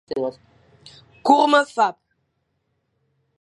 Kur mefap.